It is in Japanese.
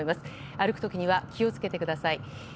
歩く時には気を付けてください。